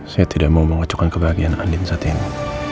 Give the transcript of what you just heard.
saya tidak mau mengocokkan kebahagiaan andi saat ini